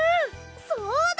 そうだ！